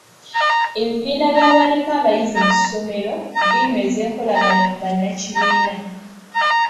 Ebibiina by'abaaliko abayizi mu ssomero binyweza enkolagana mu bannakibiina.